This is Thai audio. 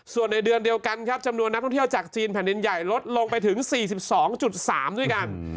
ส่วนในเดือนเดียวกันครับจำนวนนักท่องเที่ยวจากจีนแผ่นดินใหญ่ลดลงไปถึง๔๒๓ด้วยกัน